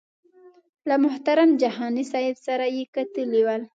له محترم جهاني صاحب سره یې کتلي ول.